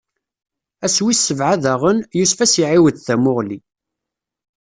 Ass wis sebɛa daɣen, Yusef ad s-iɛiwed tamuɣli.